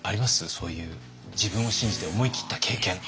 そういう自分を信じて思い切った経験。